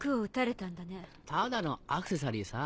ただのアクセサリーさ。